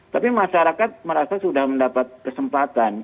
tapi masyarakat merasa sudah mendapat kesempatan